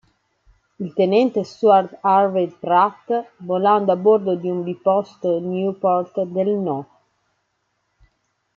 Il tenente Stuart Harvey Pratt volando a bordo di un biposto Nieuport del No.